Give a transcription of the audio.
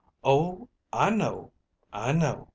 "Oh, I know. I know.